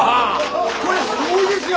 これすごいですよ！